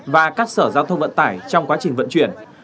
và các sở giao thông vận tải trong quá trình vận chuyển